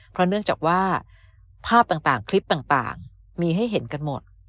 เพราะเนื่องจากว่าภาพต่างคลิปต่างมีให้เห็นกันหมด